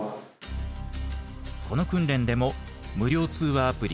この訓練でも無料通話アプリ